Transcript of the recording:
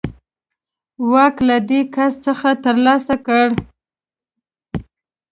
واک له دې کس څخه ترلاسه کړ.